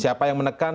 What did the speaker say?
siapa yang menekan